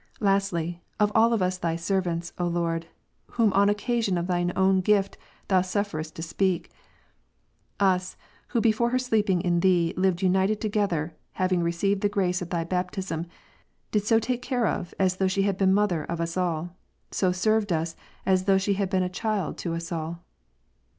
Lastly, of all of us Thy servants, ^^' O Lord, (whom on occasion of Thy own gift Thou sufFerest to speak,) us, who before her sleeping in Thee lived united together, having received the grace of Thy baptism, did she so take care of, as though she had been mother of us all ; so served us, as though she had been child to us all.